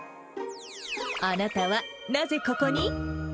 あなたはなぜここに？